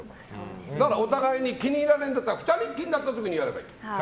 お互いに気に入らないんだったら２人きりになった時にやればいい。